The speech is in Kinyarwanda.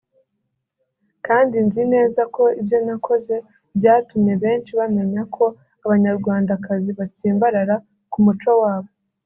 kandi nzi neza ko ibyo nakoze byatumye benshi bamenya ko abanyarwandakazi batsimbarara ku muco wabo